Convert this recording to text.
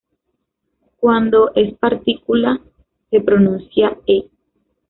Cuando es partícula se pronuncia "e".